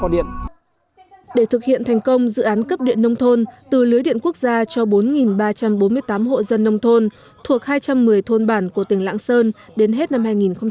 để thực hiện thành công dự án cấp điện nông thôn từ lưới điện quốc gia cho bốn ba trăm bốn mươi tám hộ dân nông thôn thuộc hai trăm một mươi thôn bản của tỉnh lạng sơn đến hết năm hai nghìn hai mươi